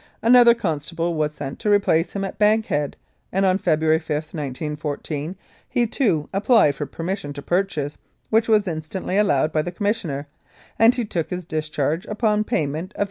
Another constable was sent to replace him at Bank head, and on February 5, 1914, he, too, applied for permission to purchase, which was instantly allowed by the Commissioner, and he took his discharge upon pay ment of $85.